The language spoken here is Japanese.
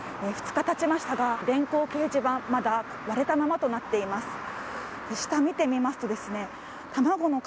２日たちましたが電光掲示板がまだ割れたままとなっています。